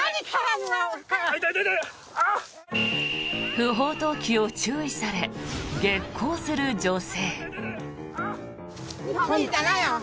不法投棄を注意され激高する女性。